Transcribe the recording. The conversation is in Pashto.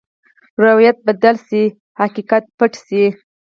روایت بدل شي، حقیقت پټ شي.